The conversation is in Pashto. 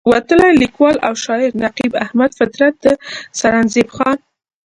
وتلے ليکوال او شاعر نقيب احمد فطرت د سرنزېب خان